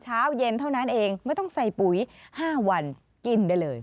เช้าเย็นเท่านั้นเองไม่ต้องใส่ปุ๋ย๕วันกินได้เลย